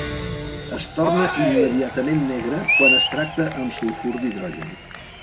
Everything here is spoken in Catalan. Es torna immediatament negra quan es tracta amb sulfur d'hidrogen.